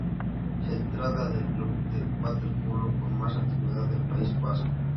Se trata del club de waterpolo con más antigüedad del País Vasco.